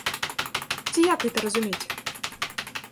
Ці як гэта разумець?